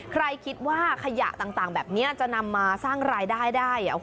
ใครคิดว่าขยะต่างแบบนี้จะนำมาสร้างรายได้ได้